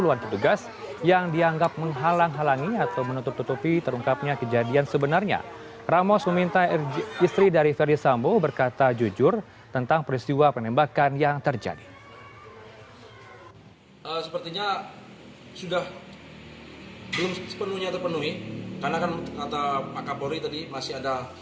langkah langkah hukum yang akan ditempuh